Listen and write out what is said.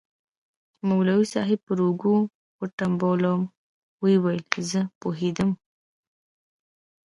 مولوي صاحب پر اوږه وټپولوم ويې ويل زه پوهېدم.